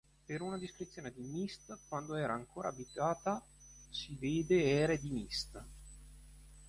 Per una descrizione di Myst quando era ancora abitata si veda Ere di Myst.